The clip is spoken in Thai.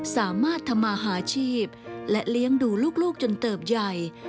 สามารถทำมาหาอาชีพและเลี้ยงดูลูกจนเติบใหญ่